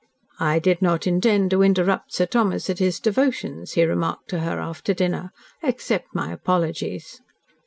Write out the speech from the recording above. "I did not intend to interrupt Sir Thomas at his devotions," he remarked to her after dinner. "Accept my apologies."